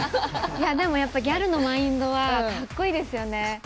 でも、ギャルのマインドはかっこいいですよね。